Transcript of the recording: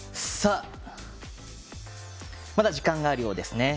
まだ時間があるようですね。